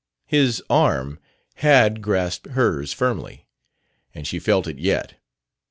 His arm had grasped hers firmly and she felt it yet.